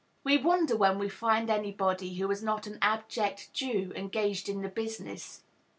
We wonder when we find anybody who is not an abject Jew, engaged in the business.